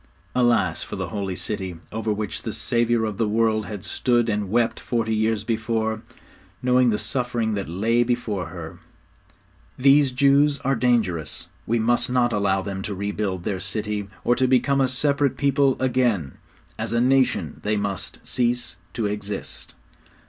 Alas for the Holy City, over which the Saviour of the world had stood and wept forty years before, knowing the suffering that lay before her! 'These Jews are dangerous. We must not allow them to rebuild their city, or to become a separate people again. As a nation they must cease to exist.'